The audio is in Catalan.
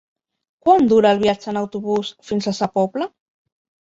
Quant dura el viatge en autobús fins a Sa Pobla?